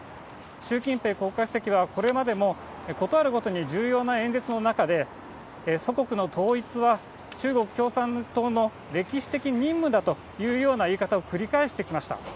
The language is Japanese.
習近平国家主席はこれまでも、事あるごとに重要な演説の中で、祖国の統一は中国共産党の歴史的任務だというような言い方を繰り返してきました。